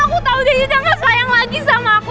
aku tahu daddy udah gak sayang lagi sama aku